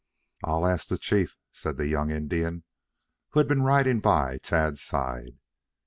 "I'll ask the chief," said the young Indian, who had been riding by Tad's side.